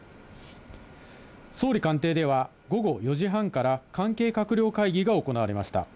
総理官邸では、午後４時半から、関係閣僚会議が行われました。